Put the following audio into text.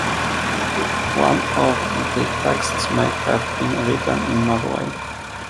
One of the texts may have been written in Norway.